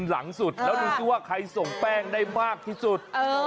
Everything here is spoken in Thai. แล้วดูสิผมทยส่งแป้งได้มากที่สุด